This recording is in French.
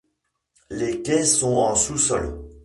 Les quais sont en sous-sol.